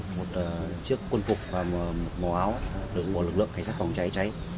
một chiếc quân phục và một màu áo được một lực lượng cảnh sát phòng cháy cháy